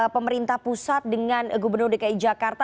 pemerintah pusat dengan gubernur dki jakarta